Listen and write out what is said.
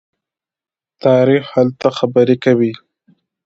تاریخ هلته خبرې کوي.